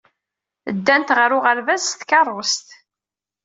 Ddant ɣer uɣerbaz s tkeṛṛust.